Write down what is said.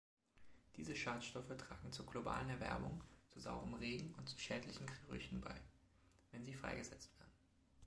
Diese Schadstoffe tragen zur globalen Erwärmung, zu saurem Regen und zu schädlichen Gerüchen bei, wenn sie freigesetzt werden.